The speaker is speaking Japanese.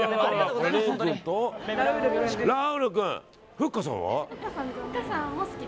ふっかさんは？